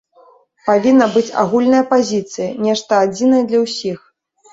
Павінна быць агульная пазіцыя, нешта адзінае для ўсіх.